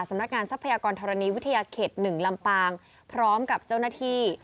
ทรัพยากรธรณีวิทยาเขต๑ลำปางพร้อมกับเจ้าหน้าที่